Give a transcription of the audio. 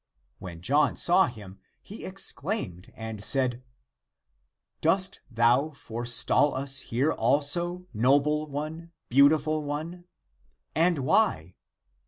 When John saw him, he exclaimed and said " Dost thou forestall us here also, noble one ( beau tiful one)? And why?"